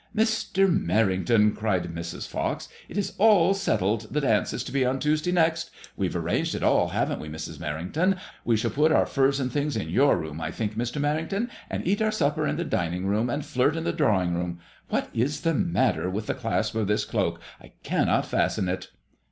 "Mr. Merrington," cried Mrs. Pox, "it is all settled. The dance is to be on Tuesday next. We've arranged it all, haven't we, Mrs. Merrington ? We shall put our furs and things in your room, I think, Mr. Merrington, and eat our supper in the dining room, and flirt in the drawing room. What is the matter with the clasp of this cloak ? I can not fasten it."